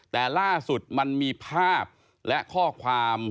แต่ล่าสุดมันมีภาพและข้อความ